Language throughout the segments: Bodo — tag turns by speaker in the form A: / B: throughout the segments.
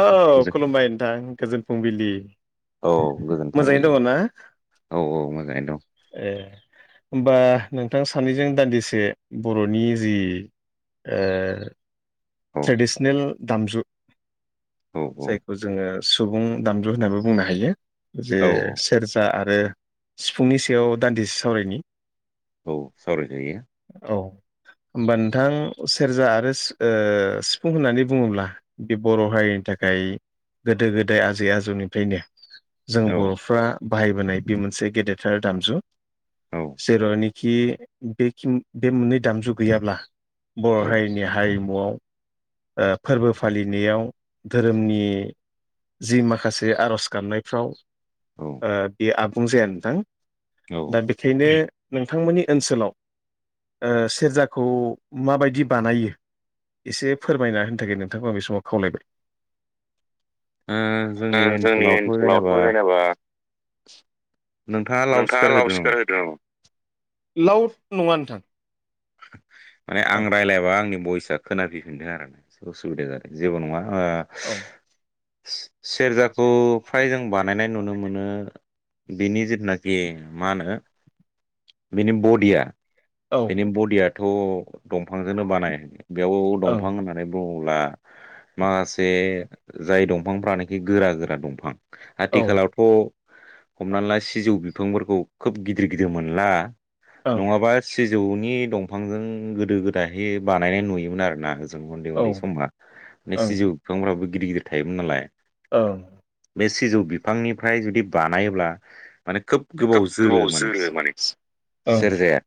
A: औ खुलुमबाय नोंथां गोजोन फुंबिलि। मोजाङैनो दङ ना ए? होमबा नोंथां सानैजों दान्दिसे बरनि जि ओ ट्रेडिसनेल दामजु जायखौ जोङो। सुबुं दामजु होननाबो बुंनो हायो जे सेरजा आरो सिफुंनि सायाव दान्दिसे सावरायनि।
B: औ सावराय जायो।
A: होमबा नोंथां सेरजा आरो ओ सिफुं होननानै बुङोब्ला बे बर' हारिनि थाखाय गोदो गोदाय आजै आजौनिफ्रायनो जों बर'फ्रा बाहायबोनाय बे मोनसे गेदेरथार दामजु जेर'नि खि बेि बे मोननै दामजु गैयाब्ला बर' हारिनि हारिमुआव ओ फोरबो फालिनायाव धोरोमनि जि माखासे आर'ज गाबनायफ्राव बेयो आबुं जाया नोंथां दा बेखायनो नोंथांमोननि ओनसोलाव ओ सेरजाखौ माबायदि बानायो एसे फोरमायना होनो थाखाय नोंथांखौ आ बे समाव खावलायबाय। ओ जोंनि ओनसोलावथ' जेनेबा नोंथाङा लाउड स्पिकार होदों नामा लउड नङा नोंथां।
B: माने आं रायज्लायबा आंनि बयसा खोनाफैफिनदों आर ना उसुबिदा जादों जेबो नङा। आ सेरजाखौ फ्राय जों बानायनाय नुनो मोनो बिनि जिथुनाखि मा होनो बिनि बडिया बेनि बडियाथ' दंफांजोंनो बानाय बेयाव दंफां होननानै बुङोब ब्ला माखासे जाय दंफांफ्रानोखि गोरा गोरा दंफां। आथिखालावथ' हमना ला सिजौ बिफांफोरखौ खोब गिदिर गिदिर मोनला नङाबा सिजौनि दंफांजों गोदो गोदायहै बानायनाय नुयोमोन आरो ना। जों उन्दै उन्दै समा माने सिजौ बिफांफ्राबो गिदिर गिदिर थायोमोन नालाय
A: ओ।
B: बे सिजौ बिफांनिफ्राय जुदि बानायोब्ला माने खोब गोबाव जोरो माने सेरजाया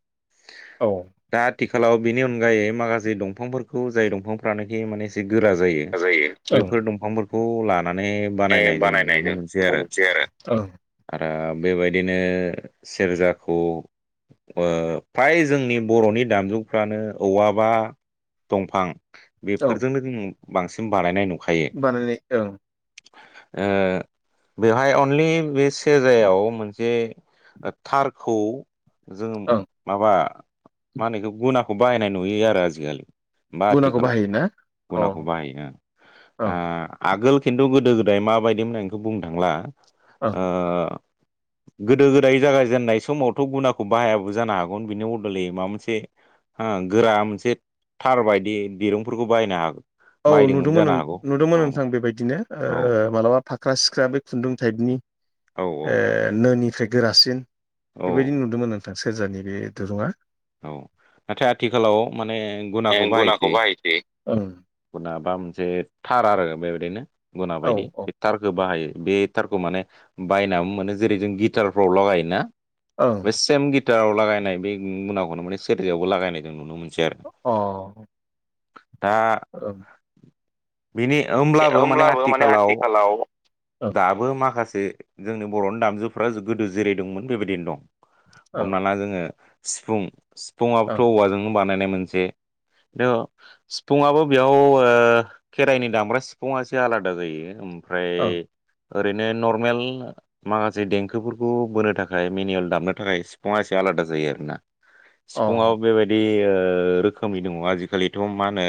B: आथिखालाव बिनि अनगायै माखासे दंफांफोरखौ जाय दंफांफ्रानोखि माने गोरा जायो बैफोर दंफांफोरखौ लान नानै बानायनाय जों नुनोबो मोनसै आरो। दा बेबायदिनो सेरजाखौ ओ फ्राय जोंनि बर'नि दामजुफ्रानो औवाबा दंफां बेफोरजोंनो जों बांसिन
A: बानायनाय ओं।
B: ओ बेवहाय अनलि बेस सेजायाव मोनसे थारखौ जों माबा मानो इखौ गुनाखौ बाहायनाय नुयो आरो आजिखालि। बा आथिखालाव गनाखौ बाहायो ओ ओगोल खिन्थु गोदो गोदाय माबायदिमोन आं इखौ बुंनो थांला ओ गोदो गोदाय जागायजेननाय समावथ' गुनाखौ बाहायाबो जानो हागौन बिनि उ ले माबा मोनसे हा गोरा मोनसे थार बायदि दिरुंफोरखौ बाहायनो हागो
A: औ नुदोंमोन नुदोंमोन नोंथां बेबायदिनो ओ मालाबा फाख्रा सिख्रा बे खुन्दुं टाइपनि ओ नोनिफ्राय गोरासिन बेबायदि नुदोंमोन नोंथां सेरजानि बे दुरुङा।
B: औ नाथाय आथिखालाव माने गुनाखौ बाहायसै। गुना बा मोनसे थार आरो बेबायदिनो गुना बायदि बे थारखौ बाहायो। बे थारखौ माने बायनाबो मोनो जेरै जों गिटारफ्राव लगायोना बे सेम गिट टाराव लागायनाय बे गुनाखौनो माने सेरजायावबो लाायनाय जों नुनो मोनो।
A: अ।
B: दा। बिनि होमब्लाबो माने आथिखालाव दाबो माखासे जोंनि बर'नि दामजुफ्रा जो गोदो जेरै दंमोन बेबायदिनो दं। हमना ला जोङो सिफुं सिफुंआबोथ' औवाजोंनो बानायनाय मोनसे दा सिफुंआबो बेयाव ओ खेराइनि दामग्रा सिफुंआ एसे आलादा जायो। फ्राय ओरैनो नर्मेल माखासे देंखोफोरखौ बोनो थाखाय मेनियेल दामनो थाखाय सिफाङा आलादा जायो आरोना सिफुंआव बेबायदि ओ ओ रोखोमनि दङ आजिखालिथ' मा होनो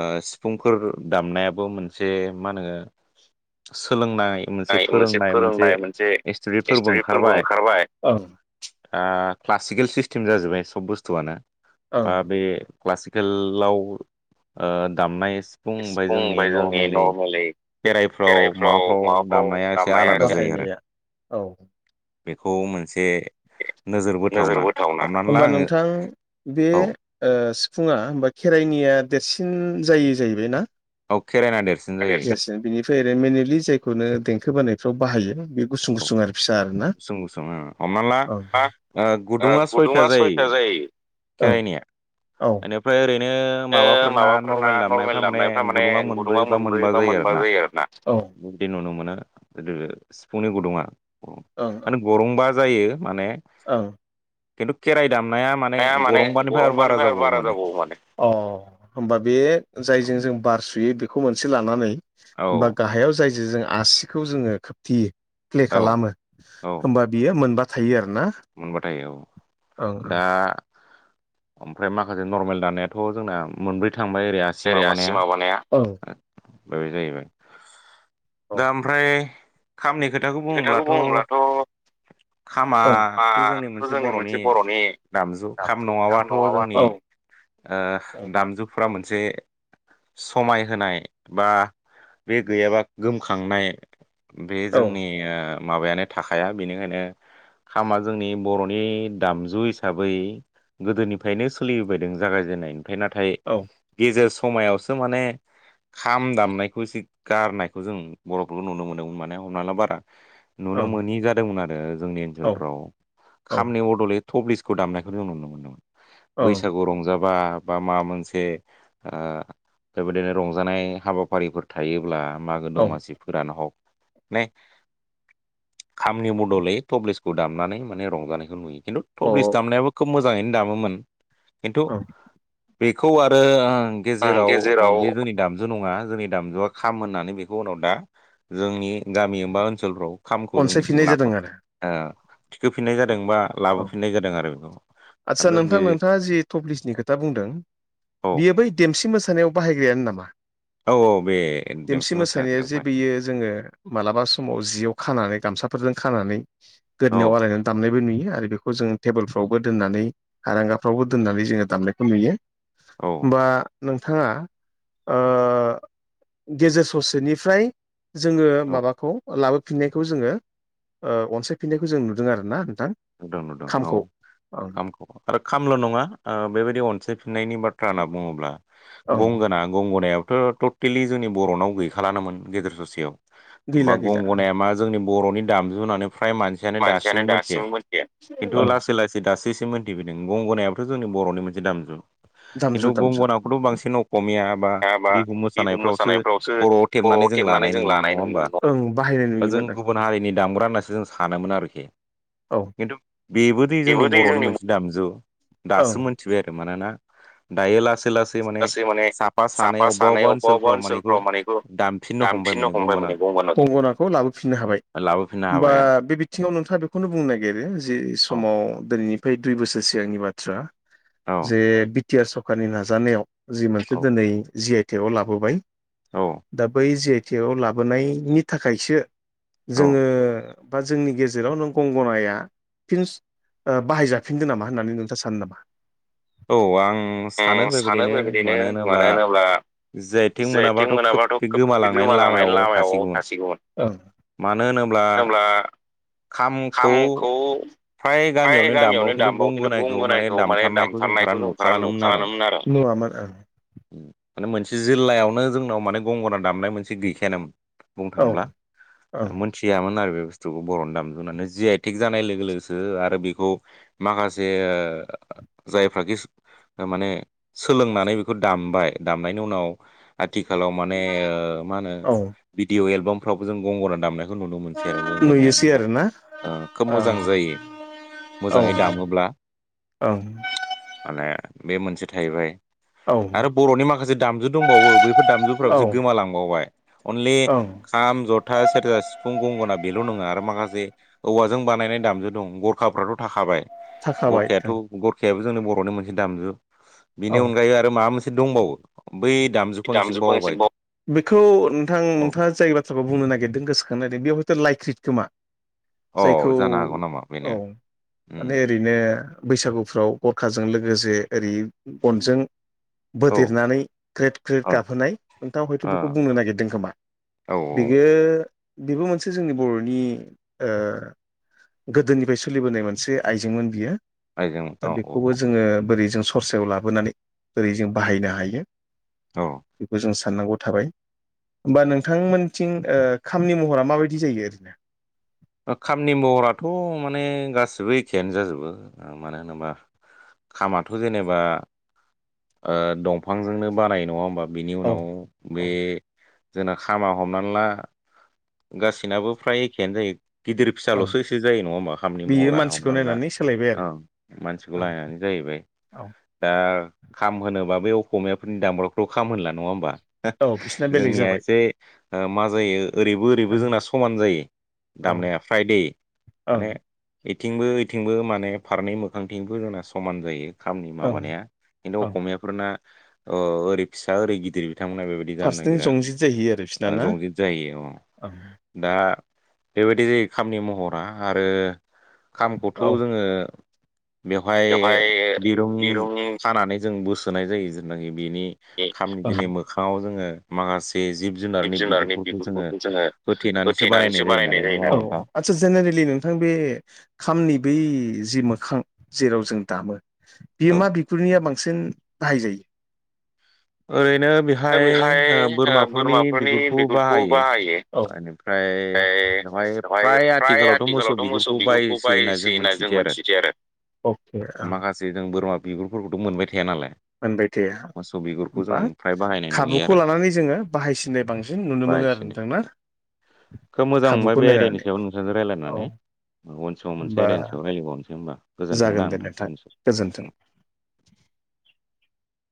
B: ओ सिफुंफोर दामनायाबो मोनसे मा होनो सोलोंनाय मोनसे फोरोंनाय मोनसे एसतुरिफोरबो ओंखारबाय। ओ क्लासिकेल सिस्टेम जाजोब्बाय सब बुस्थुआनो बा बे क्लासिकेलाव ओ दामनाय सिफुं बाय जोंनि नरमेलै बेराइ फ्राव माबाफ्राव दामनाया एसे आलादा जायो आरो। बेखौ मोनसे
A: नोजोरबोथावना होमबा नोंथां बे ओ सि फुङा होमबा खेराइनिया देरसिन जायो जाहैबाय ना?
B: खेरायना देरसिन जायो।
A: फेरेमेनेलि जायखौनो देंखो बोनायफ्राव बाहायो बे गुसुं गुसुं आरो फिसा
B: गुसुं गुसुं हमना ला ओ गुदुङा सयथा जायो खेराइनिया एनिफ्राय ओरै नो माफोरना नरमेल दामनायफ माने गुदुंङा मोनब्रै बा मोनबा जायो आरोना। बिदि नुनो मोनो गोदो सिफुंनि गुदुंङा माने गरंबा जायो माने खिन्थु खेराइ
A: हाया माने गरंबानिफ्राय बारा जाबावो माने अ होमबा बे जायजों जों बार सुयो बेखौ मोनसे लानानै बा गाहायाव जाय जे जों आसिखौ जोङो खोबथेयो प्ले खालामो होमबा बियो मोनबा थायो आरो
B: मोनबाथाय औ दा ओमफ्राय माखासे नरमेल दानायाथ' जोंना मोनब्रै थांबाय ओरै आसि माबानाया आमफाय बे जाहैबाय दा ओमफ्राय
A: खोथाखौ बुङोब्लाथ'
B: खामाथ' जोंनि मोनसे बर'नि दामजु खाम नङाबाथ' जोंनि ओ दामजुफ्रा मोनसे समायहोनाय बा बे गैयाबा गोमखांनाय बे जोंनि माबायानो थाखाया बेनिखायनो खामा जोंनि बर'नि दामजु हिसाबै गोदोनिफ्रायनो सोलिबायदों जागायजेननाय ओमफ्राय नाथाय गेजेर समायावसो माने खाम दामनायखौ एसे गारनायखौ जों बर'फोरखौ नुनो मोनोमोन माने हमना ला बारा नुनो मोनि जादोंमोन आरो जोंनि ओनसोलफ्राव खामनि बदलै टब्लिसखौ दामनायखौ जों नुनो मोन्दोंमोन बैसागु रंजा बा बा माबा मोनसे बेबायदिनो रंजानाय हाबाफारिफोर थायोब्ला मागो दमासि फोरानो हक ने खामनि मदलै टब्लिसखौ दाम माने रंजानायखौुयो खिन्थु थब्लिस दामनायाबो खोब मोजां मोजाङैनो दामोमोन खिन्थु बेखौ आरो गेजेराव बे जोंनि दामजु नङा जोंनि दामजुआ खाम होननानै बेखौ उनाव दा जोंनि गामि एबा ओनसोलफ्राव खामखौ जोंनि लाफोर थिखोफिननाय जा
A: औ आदसा नोंथां नोंथाङा जि टप्लिसनि खोथा बुंदों बियो बै देमसि मोसानायाव बाहायग्रायानो नामा? देमसि मोसानाया जे बियो जोङो मालाबा समाव जियाव खानानै गामसा फोरजों खानानै गोदोनियाव आलायनानै दामनायबो नुयो आरो बेखौ जोङो टेबोलफ्रावबो दोननानै आरांगाफ्रावबो दोननानै जोङो दामनायखौ नुयो बा नोंथाङा गेजेर ससेनिफ्राय जोङो माबाखौ लाबोफिननायखौ जोङो अनसायफिननायखौ जों नुदों आरोना नोंथां
B: नुदों नुदों औ खामखौ आरो खामल' नङा बेबायदि अनसाय नायनि बाथ्रा होनना बुङोब्ला गंगोना गंगनाय टटेलि जोंनि बर'नाव गैखाालानोन गेजदेर ससेयाव बा गं गनाया मा जोंनि बर'नि दामजु होननानै फ्राय मानसियानो दासिमबो मोनथिया खिन्थु लासै लासै दासो इसे मोनथिफैदों गंग'नायाबाथ' जोंनि बर'नि मोनसे दामजु खिन्थु गंगनाखौथ' बांसिन अखमिया बा बिहु मोसानायफ्रावसो खर'आव थेबनानै नानै जों लानाय नुयोमोन नङा होमबा बा जों गुबुन हारिनि दामग्रा होननासो जों सानोमोन आरोखि
A: औ
B: खिन्थु बेबोदि जोंनि बर'नि मोनसे दामजु दासो मोनथिबाय आरो मानोना दायोलास लासै माने साफा सानै अबबा अबबा ओनसोलफ्राव माने बेखौ दामफिननो हमबाय माने गंगोना
A: गंगनाखौ लाबोफिननो हाबाय होमबा बे बिथिङाव नोंथाङा बेखौनो बुंनो नो जि समाव दिनैनिफ्राय दुइ बोसोरनि सिगांनि बाथ्रा जे बि टि आर सरखारनि नाजानायाव जि मोनसे दिनै जि आइ टेक आव लाबोबाय दा बै जि आइ टिक आव लाबोनायनि थाखायसो जोङो बा जोंनि गेजेराव गंगनाया फिन बाहायजाफिनदों नामा होननानै नोंथाङा सानो नामा?
B: औ आं सानो बेबायदिनो मानो होनोब्ला जायथिं मोनाब्लाथ' खोब बे गोमालांनायनि लामायाव थासिगौमोन। मानो होनोब्ला
A: खामखौ फ्राय गामियावनो दामबावो खिन्थु गंगोनाखौ माने [inaudible] बोनायखौ माने दामसारनायखौ जोंफोरानो नसारानोमोन आरो आार आं [inaudible]
B: माने मोनसे जिल्लायावनो जोंनाव माने गंगना दामनाय मोनसे गैखायानोमोन। बुंनो थांब्ला मोनथियामोन आरो बे बुस्थुखौ बरन दामजु होननानै जि आइ टिक जानाय लोगो लोगो आरो बेखौ माखासे जायफ्राखि माने सोलोंनानै बेखौ दामबाय दामनायनि उनाव आथिखालाव माने मा होनो भिडिअ' एलबामफ्रावबो जों गंग'ना दामनाय बेखौ नुनो मोनसै आरो गंगनाया खोब मोजां जायो। मोजाङै दामोब्ला माने बे मोनसे थाहैबाय आरो बर'नि माखासे दामजु दंबावो बैफोर दामजुफ्राबोसो गोमालांबावबाय अनलि खाम जथा सेरजा सिफुं गंगना बेल' नङा आरो माखासे औवाजों बानायनाय दाम दं गरखाफोराथ' थाखाबाय गरखायाथ' जथायाबो जोंनि बर'नि मोनसे दामजु बिनि अनगायै आरो माबा मोनसे दंबावो दामजुखौ आं एसे बावबाय
A: बेखौ नोंथां नोंथाङा जाय बाथ्राखौ बुंनो नागिरदों गोसोखां नागिरदों बेयाव हयथ' लाइ जायखौ औ माने ओरैनो बैसागुफ्राव गरखाजों लोगोसे ओरै बनजों बोदेरनानै स्क्रिट गाबहोनाय नोंथाङा हयथ' बेखौ बुंनो नागिरदों खोमा बियो बेबो मोनसे जोंनि बर'नि गोदोनिफ्राय सोलिबोनाय मोनसे आइजेंमोन बियो दा बेखौबो जोङो बोरै जों सरसायाव लाबोनानै बोरै जों बाहायनो हायो बेखौ जों साननांगौ थाबाय होमबा नोंथांमोनथिं खामानि महरा माबायदि जायो ओरैनो
B: खामानि महराथ' माने गासिबो एखेआनो जाजोबो मानो होनोबा खामाथ जेनेबा दंफांजोंनो बानाय नंङा होमबा बिनि उनाव बे जोंना खामा हमनानै ला गाससिनाबो फ्राय एखेयानो जायो गिदिर फिसालसो एसे जायो नंङा हबा खामानि महरा हमना ला औ मानसिखौ नायानो जाहैबाय दा खाम होनोबा बै असमियाफोरनि दामब्राखौथ खाम होनला नंङा होमबा जोंनिया एसे मा जायो ओरैबो ओरैबो जोंना समान जायो दामनायया फ्राइ
A: औ
B: एथिंबो इथिंबो माने फारनै मोखांथिंबो जोंना समान जायो खामनि माबानाया खिन्थु असमियाफोरना ओरै फिसा ओरै गिदिर बिथांमोनहा बेबायदि जानो नागिरा आरो जंजित जायो अ दा बेबायदि जायो खामनि महरा आरो खामखौथ जोंङो बेवहाय दिरुं जों बोसोननाय जायो ज बेनि ख दिनि मोखाङाव जोंङो माखासे
A: जिब जुनारनि बिगुरफोरखौ जोंङो होथेनानैसो बानायनाय जायो नालाय नोंथां बे खामनि बै जि मोखां जेराव जों दामो बेयो मा बिगुरनिया बांसिन बांसिन बाहायजायो
B: ओरैनो बेहाय बोरमाफोरनि बिगुरखौ बाहायो एनिफ्राय ओमफ्राय बेवहाय फ्राय आथिखालाव थ मोसौ बिगुरखौ बायसै होनना जों मिथिसै आरो माखासे जों बोरमा बिगुरफोरखौथ मोनबाय थाया नालाय
A: मोनबाय थाया हबा खाबुखौ लानानै जोंङो बाहायसिननाय बांसिन नुनो मोनो आरो नोंथां
B: खोब मोजां मोनबाय बे आयदानि सायाव नोंसांजों रायज्लायनानै उनसआव मोनसे आदाइनसआव रायलायबावनोसै होनबा गोजोन्थोंदा आंथांनिसआव
A: [unintelligible]